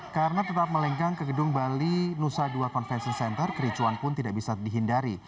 karena tetap melenggang ke gedung bali nusa dua convention center kericuan pun tidak bisa dihindari